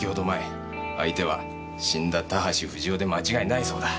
相手は死んだ田橋不二夫で間違いないそうだ。